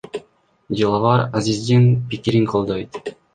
Диловар Азиздин пикирин колдойт.